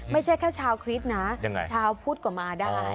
ไม่ใช่แค่ชาวคริสต์นะชาวพุทธก็มาได้